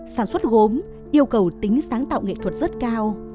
sản xuất gốm yêu cầu tính sáng tạo nghệ thuật rất cao